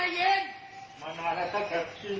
เก็บเท่าไหร่เก็บเท่าไหร่